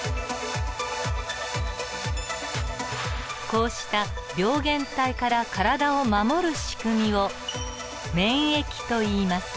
こうした病原体から体を守るしくみを免疫といいます。